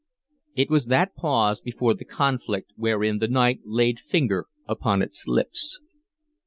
It was that pause before the conflict wherein the night laid finger upon its lips.